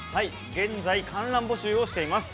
現在観覧募集をしています。